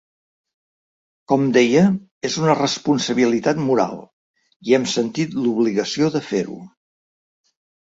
Com deia és una responsabilitat moral i hem sentit l’obligació de fer-ho.